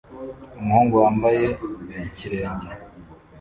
Umuhungu wambaye ikirenge